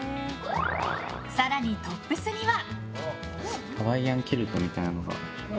更にトップスには。